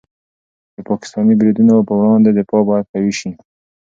د پاکستاني بریدونو په وړاندې دفاع باید قوي شي.